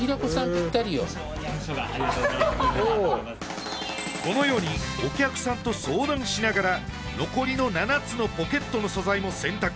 ピッタリよこのようにお客さんと相談しながら残りの７つのポケットの素材も選択